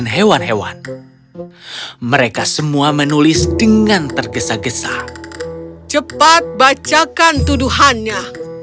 hewan hewan mereka semua menulis dengan tergesa gesa cepat bacakan tuduhannya